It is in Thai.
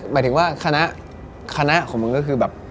หมายถึงว่าคณะของมึงก็คือแบบ